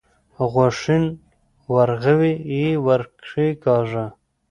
غوښين ورغوی يې ور کېکاږه.